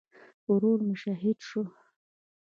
ورور مې شهید شو